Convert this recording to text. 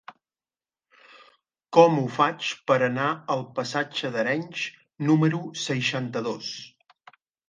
Com ho faig per anar al passatge d'Arenys número seixanta-dos?